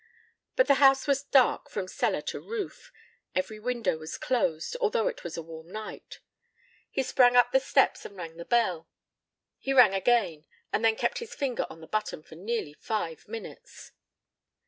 But the house was dark from cellar to roof. Every window was closed although it was a warm night. He sprang up the steps and rang the bell. He rang again, and then kept his finger on the button for nearly five minutes.